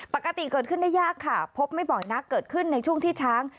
ปกติเกิดขึ้นได้ยากค่ะพบไม่บ่อยนักเกิดขึ้นในช่วงที่ช้าง